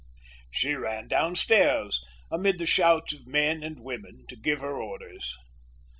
_" She ran downstairs, amid the shouts of men and women, to give her orders.